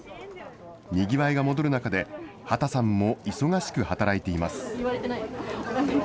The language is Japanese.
にぎわいが戻る中で、畑さんも忙しく働いています。